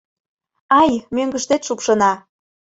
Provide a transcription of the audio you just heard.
— Ай, мӧҥгыштет шупшына.